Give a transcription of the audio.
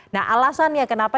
nah alasan ya kenapa